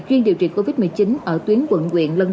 chuyên điều trị covid một mươi chín ở tuyến quận huyện lân cần